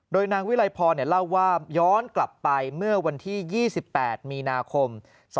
โดยนางวิลัยพรเล่าว่าย้อนกลับไปเมื่อวันที่๒๘มีนาคม๒๕๖